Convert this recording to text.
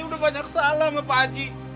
saya udah banyak salah sama pak aji